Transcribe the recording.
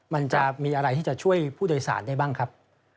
มันจะมีอะไรที่จะช่วยผู้โดยสารได้บ้างครับ